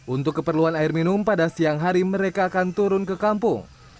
untuk keperluan air minum pada siang hari mereka akan turun ke kampung